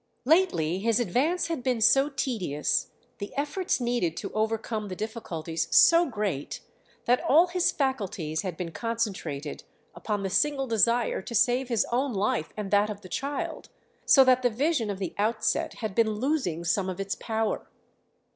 Lately his advance had been so tedious, the efforts needed to overcome the difficulties so great, that all his faculties had been concentrated upon the single desire to save his own life and that of the child; so that the vision of the outset had been losing some of its power.